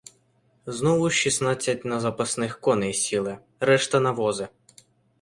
Знову шістнадцять на запасних коней сіли — решта на вози.